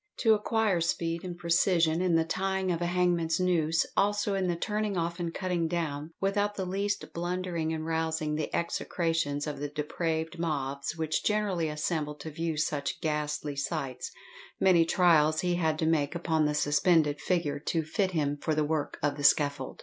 To acquire speed and precision in the tying of a hangman's "noose," also in the "turning off and cutting down" without the least blundering and rousing the execrations of the depraved mobs which generally assemble to view such ghastly sights, many trials he had to make upon the suspended figure to fit him for the work of the scaffold.